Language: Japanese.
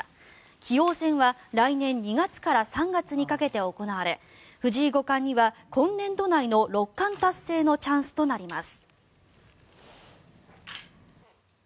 棋王戦は来年２月から３月にかけて行われ藤井五冠には今年度内の六冠達成のチャンスとなります。